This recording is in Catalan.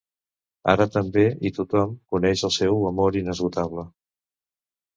Ara també i tothom coneix el seu amor inesgotable.